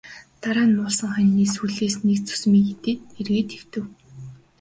Дараа нь муулсан хонины сүүлнээс нэг зүсмийг идээд эргээд хэвтэв.